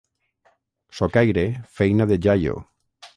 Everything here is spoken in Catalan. Socaire, feina de jaio.